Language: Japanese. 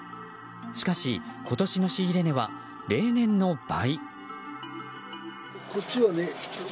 しかし、今年の仕入れ値は例年の倍。